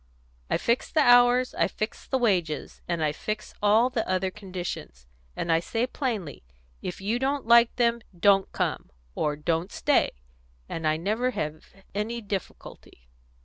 I fix the hours, and I fix the wages, and I fix all the other conditions, and I say plainly, 'If you don't like them, 'don't come,' or 'don't stay,' and I never have any difficulty."